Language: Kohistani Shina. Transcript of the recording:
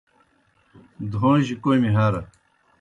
دھوݩجیْ کوْمیْ ہرہ۔